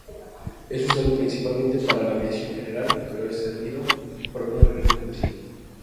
Es usado principalmente para la aviación general, pero es servido por una aerolínea comercial.